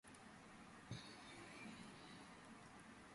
შედის ჩრდილო-დასავლეთი პროვინციის შემადგენლობაში.